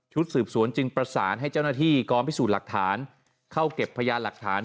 สืบสวนจึงประสานให้เจ้าหน้าที่กองพิสูจน์หลักฐานเข้าเก็บพยานหลักฐาน